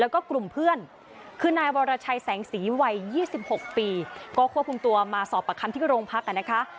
ก็ควบคุมตัวมาสอบประคัมที่โรงพักษณ์กันนะคะ